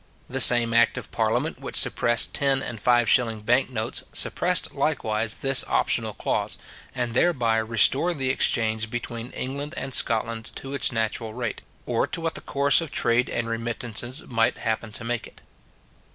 The same act of parliament which suppressed ten and five shilling bank notes, suppressed likewise this optional clause, and thereby restored the exchange between England and Scotland to its natural rate, or to what the course of trade and remittances might happen to make it.